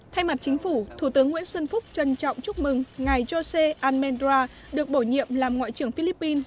thay mặt chính phủ thủ tướng nguyễn xuân phúc trân trọng chúc mừng ngài jose almendra được bổ nhiệm làm ngoại trưởng philippines